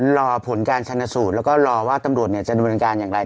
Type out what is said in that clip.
รอผลการชนสูตรแล้วก็รอว่าตำรวจจะดำเนินการอย่างไร